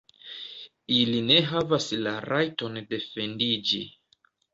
Ili ne havas la rajton defendiĝi.